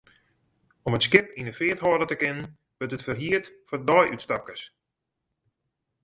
Om it skip yn 'e feart hâlde te kinnen, wurdt it ferhierd foar deiútstapkes.